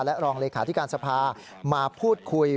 และรองเลขาธิการสภามาพูดคุย